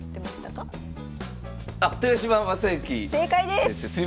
正解です！